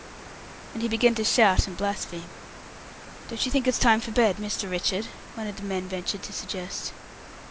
And he began to shout and blaspheme. "Don't you think it's time for bed, Mr. Richard?" one of the men ventured to suggest.